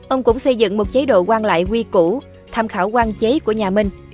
ông cũng xây dựng một chế độ quan lại quy cũ tham khảo quan chế của nhà mình